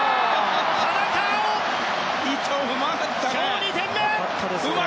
田中碧、今日２点目！